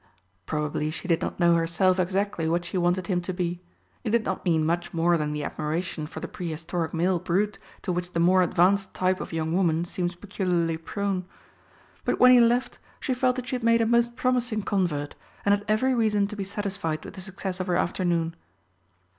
Probably she did not know herself exactly what she wanted him to be; it did not mean much more than the admiration for the prehistoric male brute to which the more advanced type of young woman seems peculiarly prone. But when he left she felt that she had made a most promising convert, and had every reason to be satisfied with the success of her afternoon.